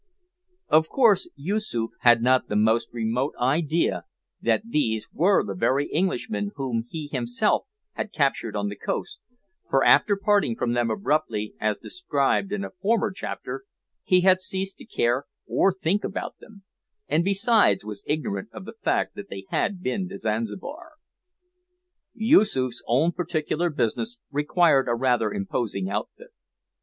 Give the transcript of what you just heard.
Of course Yoosoof had not the most remote idea that these were the very Englishmen whom he himself had captured on the coast, for, after parting from them abruptly, as described in a former chapter, he had ceased to care or think about them, and besides, was ignorant of the fact that they had been to Zanzibar. Yoosoof's own particular business required a rather imposing outfit.